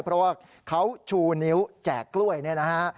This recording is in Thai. เพราะว่าเขาชูนิ้วแจกกล้วยเนี่ยนะฮะ